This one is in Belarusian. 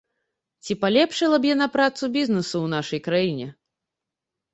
Ці палепшыла б яна працу бізнэсу ў нашай краіне?